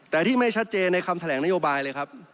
แต่ที่ไม่ชัดเจนในคำแถลงนโยบายเลยครับ